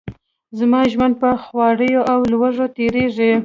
زما ژوند په خواریو او لوږه تیریږي.